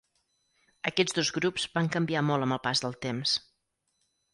Aquests dos grups van canviar molt amb el pas del temps.